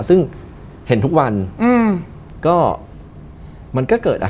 ซึ่งเห็นทุกวัน